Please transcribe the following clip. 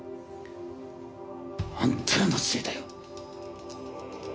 あんたらのせいだよ！